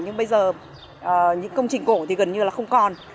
nhưng bây giờ những công trình cổ thì gần như là không còn